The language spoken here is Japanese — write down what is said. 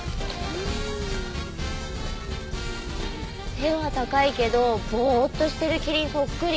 背は高いけどボーッとしてるキリンそっくり。